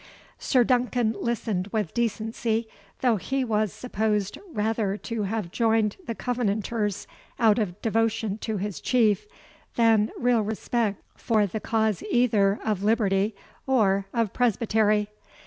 Sir Duncan listened with decency, though he was supposed rather to have joined the Covenanters out of devotion to his chief, than real respect for the cause either of liberty or of Presbytery.